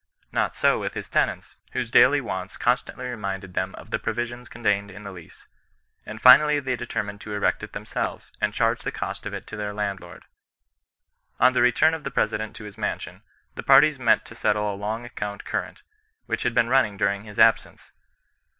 Not so with his tenants, whose daily wants constantly reminded them of the provisions contained in the lease ; and finally they determined to erect it themselves, and charge the cost of it to their landlord. On the return of the President to his mansion, the parties met to settle a long account current, which had been running during his absence.